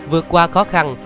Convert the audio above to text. vượt qua khó khăn